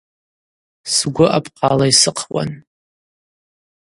Сгвы апхъала йсыхъуан.